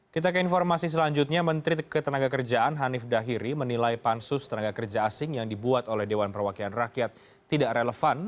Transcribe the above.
kita ke informasi selanjutnya menteri ketenaga kerjaan hanif dahiri menilai pansus tenaga kerja asing yang dibuat oleh dewan perwakilan rakyat tidak relevan